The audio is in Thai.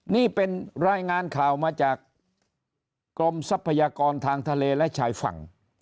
นี่เป็นรายงานข่าวมาจากกรมทรัพยากรทางทะเลและชายฝั่ง